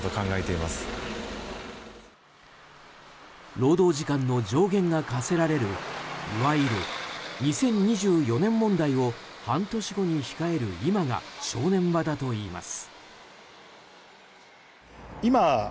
労働時間の上限が課せられるいわゆる２０２４年問題を半年後に控える今が正念場だと言います。